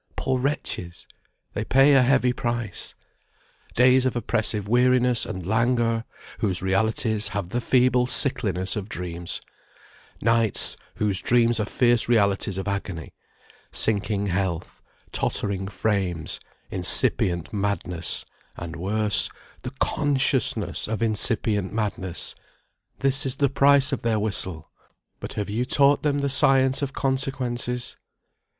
Poor wretches! They pay a heavy price. Days of oppressive weariness and languor, whose realities have the feeble sickliness of dreams; nights, whose dreams are fierce realities of agony; sinking health, tottering frames, incipient madness, and worse, the consciousness of incipient madness; this is the price of their whistle. But have you taught them the science of consequences?